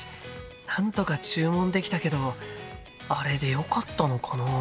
なんとか注文できたけどあれでよかったのかな？